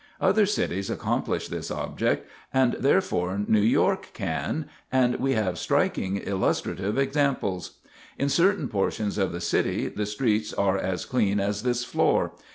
Other cities accomplish this object, and therefore New York can, and we have striking illustrative examples. In certain portions of the city the streets are as clean as this floor.